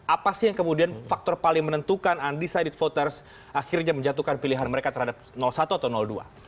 apa sih yang kemudian faktor paling menentukan undecided voters akhirnya menjatuhkan pilihan mereka terhadap satu atau dua